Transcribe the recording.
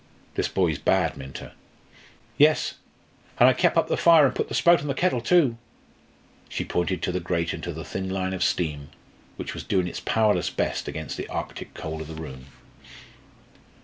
This boy's bad, Minta." "Yes, an' I kep' up the fire an' put the spout on the kettle, too." She pointed to the grate and to the thin line of steam, which was doing its powerless best against the arctic cold of the room.